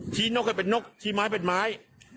นกให้เป็นนกชี้ไม้เป็นไม้